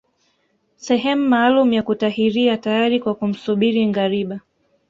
Sehemu maalumu ya kutahiria tayari kwa kumsubiri ngariba